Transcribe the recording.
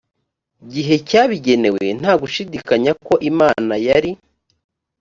gihe cyabigenewe nta gushidikanya ko imana yari